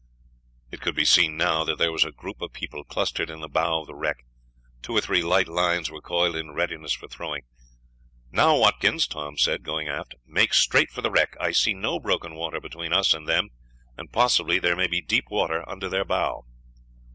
It could be seen now that there was a group of people clustered in the bow of the wreck. Two or three light lines were coiled in readiness for throwing. "Now, Watkins," Tom said, going aft, "make straight for the wreck. I see no broken water between us and them, and possibly there may be deep water under their bow."